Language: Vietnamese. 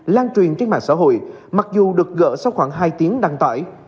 lan truyền trên mạng xã hội mặc dù được gỡ sau khoảng hai tiếng đăng tải